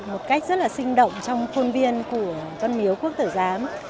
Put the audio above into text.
một cách rất là sinh động trong khuôn viên của văn miếu quốc tử giám